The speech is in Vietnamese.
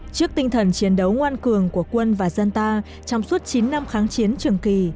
trước tinh thần chiến đấu ngoan cường của quân và dân ta trong suốt chín năm kháng chiến trường kỳ